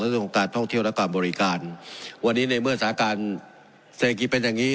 เรื่องของการท่องเที่ยวและการบริการวันนี้ในเมื่อสาการเศรษฐกิจเป็นอย่างงี้